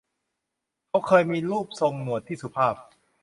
เขาเคยมีรูปทรงหนวดที่สุภาพ